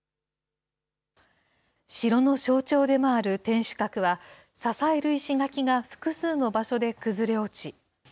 城の象徴でもある天守閣は、支える石垣が複数の場所で崩れ落ち。